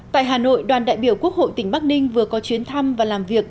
tại hà nội đoàn đại biểu quốc hội tỉnh bắc ninh vừa có chuyến thăm và làm việc